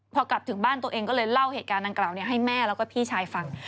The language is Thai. พอกลับถึงบ้านตัวเองก็เลยเล่าเหตุการณ์ดังกล่าวให้แม่แล้วก็พี่ชายฟัง